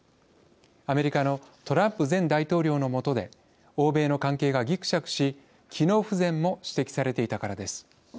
アメリカのトランプ前大統領の下で欧米の関係がぎくしゃくし機能不全も指摘されていたからです。